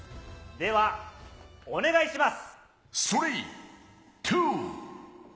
ではお願いします。